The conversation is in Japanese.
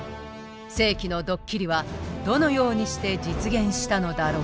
世紀のドッキリはどのようにして実現したのだろうか。